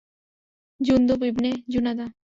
জুনদুব ইবনে জুনাদা।